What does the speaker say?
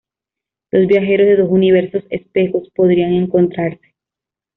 Dos viajeros de dos universos espejos podrían encontrarse.